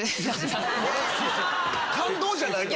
感動じゃないの？